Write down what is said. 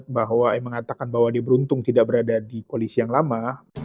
bahwa mengatakan bahwa dia beruntung tidak berada di koalisi yang lama